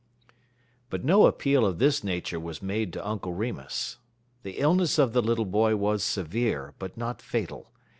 But no appeal of this nature was made to Uncle Remus. The illness of the little boy was severe, but not fatal.